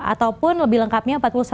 ataupun lebih lengkapnya